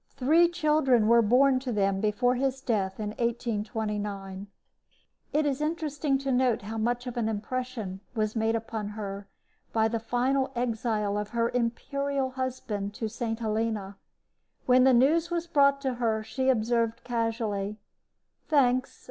Three children were born to them before his death in 1829. It is interesting to note how much of an impression was made upon her by the final exile of her imperial husband to St. Helena. When the news was brought her she observed, casually: "Thanks.